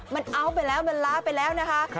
มันเอาไปแล้วมันล้าไปแล้วนะคะ